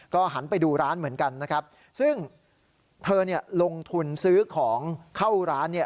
ก็หันไปดูร้านเหมือนกันซึ่งเธอลงทุนซื้อของเข้าร้าน